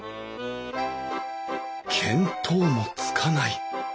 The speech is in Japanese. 見当もつかない。